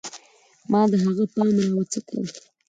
ما د هغه پام راوڅکاوه